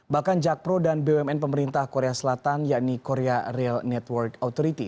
bahkan jakpro dan bumn pemerintah korea selatan yakni korea real network authority